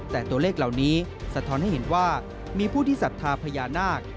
แต่ตัวเลขเหล่านี้สะท้อนให้เห็นว่ามีผู้ที่ศรัทธาพญานาค